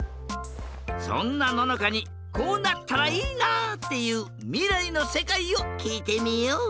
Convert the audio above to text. そんなののかにこうなったらいいなっていうみらいのせかいをきいてみよう！